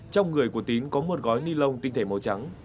trong người của tín có một gói ni lông tinh thể màu trắng